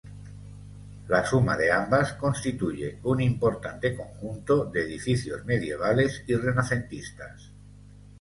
La suma de ambas constituye un importante conjunto de edificios medievales y renacentistas.